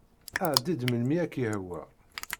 Ɛeddi-d melmi i ak-yehwa.